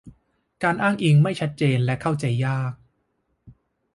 การอ้างอิงไม่ชัดเจนและเข้าใจยาก